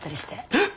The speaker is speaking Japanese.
えっ！